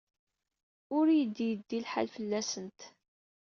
Ur iyi-d-yeddi lḥal fell-asent.